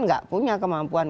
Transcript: tidak punya kemampuan